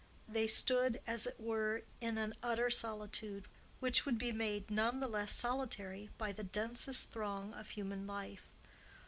They stood, as it were, in an utter solitude, which would be made none the less solitary by the densest throng of human life.